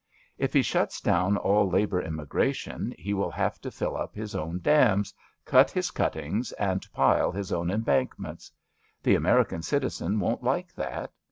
If he shuts down all labour immigration he will have to fill up his own dams, cut his cuttings and pile his own embankments. The American citizen won't like that.